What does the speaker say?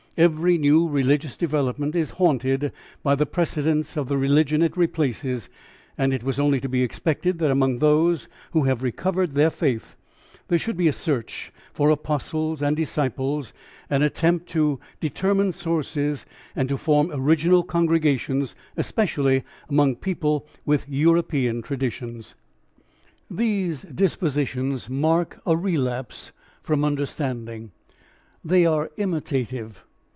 Every new religious development is haunted by the precedents of the religion it replaces, and it was only to be expected that among those who have recovered their faith there should be a search for apostles and disciples, an attempt to determine sources and to form original congregations, especially among people with European traditions. These dispositions mark a relapse from understanding. They are imitative.